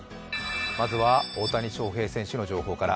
まずは大谷翔平選手の情報から。